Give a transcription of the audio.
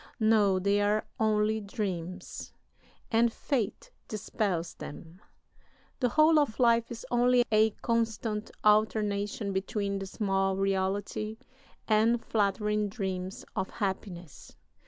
No, they are only dreams, and Fate dispels them. The whole of life is only a constant alternation between dismal reality and flattering dreams of happiness.